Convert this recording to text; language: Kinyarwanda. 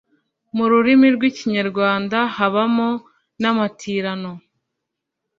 mu rurimi rw’Ikinyarwanda habamo namatirano